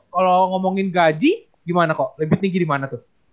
kalau ngomongin gaji lebih tinggi di mana